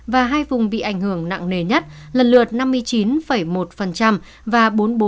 và hai vùng bị ảnh hưởng nặng nề nhất lần lượt năm mươi chín một và bốn mươi bốn